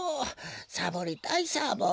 サボりたいサボ。